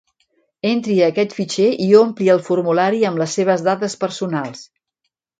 Entri a aquest fitxer i ompli el formulari amb les seves dades personals.